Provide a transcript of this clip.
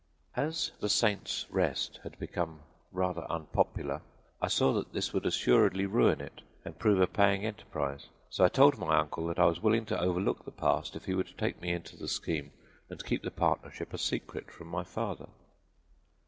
As 'The Saints' Rest' had become rather unpopular, I saw that this would assuredly ruin it and prove a paying enterprise, so I told my uncle that I was willing to overlook the past if he would take me into the scheme and keep the partnership a secret from my father.